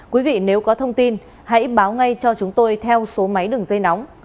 quý vị nếu có thông tin hãy báo ngay cho chúng tôi theo số máy đường dây nóng